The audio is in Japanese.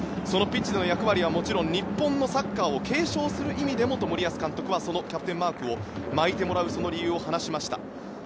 そのピッチでの役割はもちろん日本のサッカーを継承する意味でもと森保監督はキャプテンマークを巻いてもらう理由を話しました。